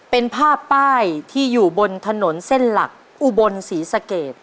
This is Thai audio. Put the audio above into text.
เป็นภาพป้ายที่อยู่บนถนนเส้นหลักอุบลศรีสะเกด